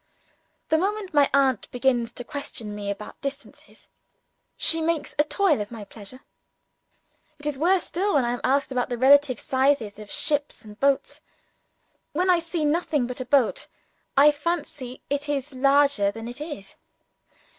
The moment my aunt begins to question me about distances, she makes a toil of my pleasure. It is worse still when I am asked about the relative sizes of ships and boats. When I see nothing but a boat, I fancy it larger than it is.